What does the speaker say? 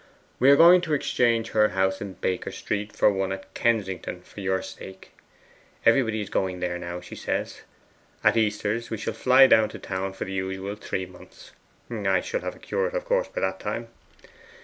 We are going to exchange her house in Baker Street for one at Kensington, for your sake. Everybody is going there now, she says. At Easters we shall fly to town for the usual three months I shall have a curate of course by that time.